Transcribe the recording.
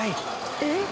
えっ？